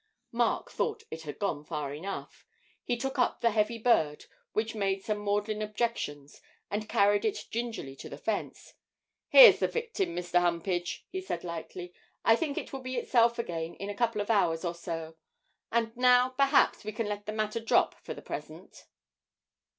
Mark thought it had gone far enough. He took up the heavy bird, which made some maudlin objections, and carried it gingerly to the fence. 'Here's the victim, Mr. Humpage,' he said lightly. 'I think it will be itself again in a couple of hours or so. And now, perhaps, we can let the matter drop for the present.'